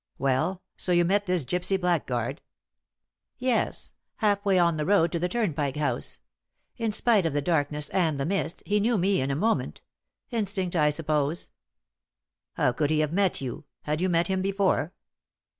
Well, so you met this gypsy blackguard?" "Yes, half way on the road to the Turnpike House. In spite of the darkness and the mist, he knew me in a moment instinct, I suppose." "How could he have met you? Had you met him before?"